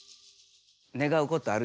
願うことある？